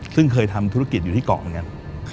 ซึ่งเคยทำธุรกิจอยู่ที่เกาะเหมือนกัน